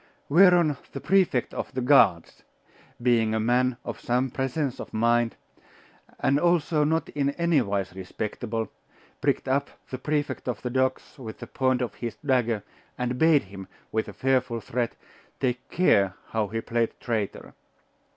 Whereon the Prefect of the Guards, being a man of some presence of mind, and also not in anywise respectable, pricked up the Prefect of the docks with the point of his dagger, and bade him, with a fearful threat, take care how he played traitor.